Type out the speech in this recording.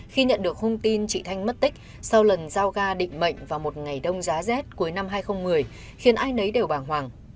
khi nhận được thông tin chị thanh mất tích sau lần giao gà định mệnh vào một ngày đông giá z cuối năm hai nghìn một mươi khiến ai nấy đều bảng hoàng